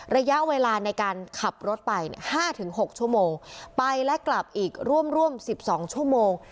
ระยะเวลาในการขับรถไปห้าถึงหกชั่วโมงไปและกลับอีกร่วมร่วมสิบสองชั่วโมง